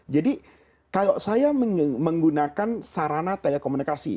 jadi kalau saya menggunakan sarana telekomunikasi